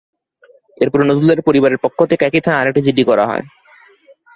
এরপর নজরুলের পরিবারের পক্ষ থেকে একই থানায় আরেকটি জিডি করা হয়।